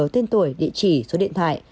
tiên tuổi địa chỉ số điện thoại